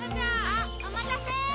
あっおまたせ！